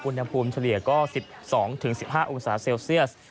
อุณหภูมิเฉลี่ยก็๑๒๑๕องศาเซลเซียส